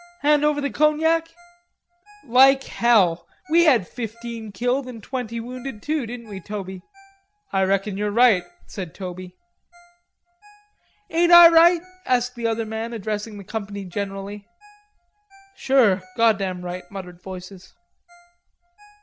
Hand over the cognac?" "Like hell. We had fifteen killed and twenty wounded too, didn't we, Toby?" "I reckon you're right," said Toby. "Ain't I right?" asked the other man, addressing the company generally. "Sure, goddam right," muttered voices.